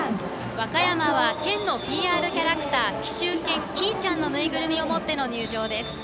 和歌山は県のＰＲキャラクター紀州犬きいちゃんのぬいぐるみを持っての入場です。